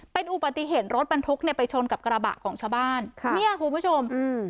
เป็นอุบัติเหตุรถบรรทุกเนี่ยไปชนกับกระบะของชาวบ้านค่ะเนี่ยคุณผู้ชมอืม